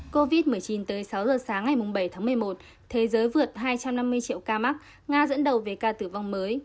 covid một mươi chín tới sáu giờ sáng ngày bảy tháng một mươi một thế giới vượt hai trăm năm mươi triệu ca mắc nga dẫn đầu về ca tử vong mới